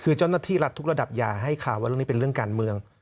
คือเจ้าหน้าที่รัฐทุกระดับอย่าให้ข่าวว่าเรื่องนี้เป็นเรื่องการเมือง